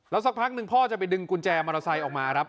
สักพักหนึ่งพ่อจะไปดึงกุญแจมอเตอร์ไซค์ออกมาครับ